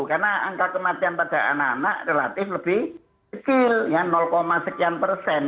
karena angka kematian pada anak anak relatif lebih kecil ya sekian persen